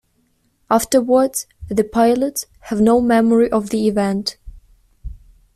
Afterwards, the pilots have no memory of the event.